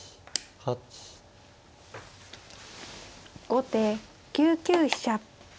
後手９九飛車。